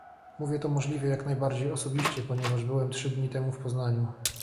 Mówię to możliwie jak najbardziej osobiście, ponieważ byłem trzy dni temu w Poznaniu